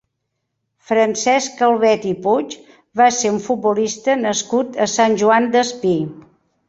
Francesc Calvet i Puig va ser un futbolista nascut a Sant Joan Despí.